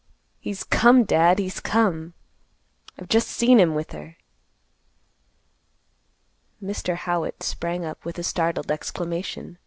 "He's come, Dad; he's come. I've just seen him with her." Mr. Howitt sprang up with a startled exclamation.